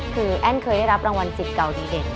คือแอ้นเคยได้รับรางวัลจิตเก่าดีเด่น